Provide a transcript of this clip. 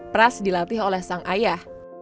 pras dilatih oleh sang ayah